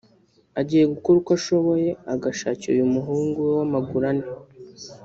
agiye gukora uko ashoboye agashakira uyu muhungu we w’amaguru ane